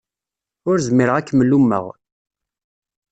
Ur zmireɣ ad kem-lummeɣ.